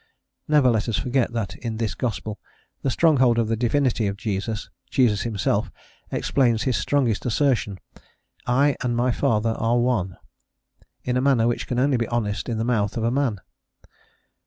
Never let us forget that in this gospel, the stronghold of the Divinity of Jesus, Jesus himself explains his strongest assertion "I and my Father are one" in a manner which can only be honest in the mouth of a man.